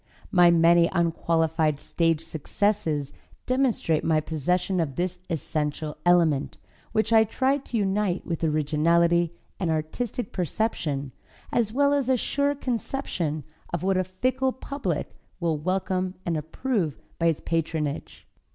My many unqualified stage successes demonstrate my possession of this essential element, which I try to unite with originality and artistic perception, as well as a sure conception of what a fickle public will welcome and approve by its patronage.